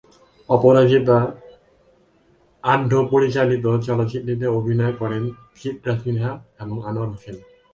অপরাজিতা আঢ্য পরিচালিত চলচ্চিত্রটিতে অভিনয় করেন চিত্রা সিনহা এবং আনোয়ার হোসেন।